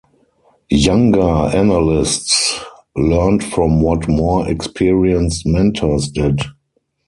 Younger analysts learned from what more-experienced mentors did.